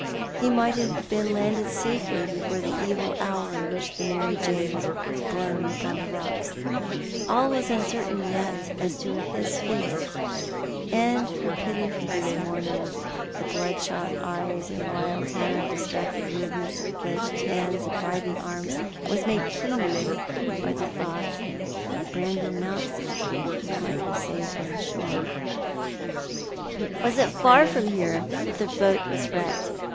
lie might have been landed safely before the evil hour in which the Martj Jane was blown upon the rocks. All was uncertain yet as to his fate ; and her pity for this mourner with tlie bloodshot eyes and wild hair and distracted move ments of clenched hands and writhing arms was made keener by the thought that Brandon Mountford might be safe on shore. " What Love was as Deep as a Grave f " 163 "Was it far from liere that the boat was wrecked?"